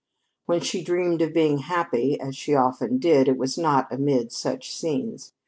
When she dreamed of being happy, as she often did, it was not amid such scenes.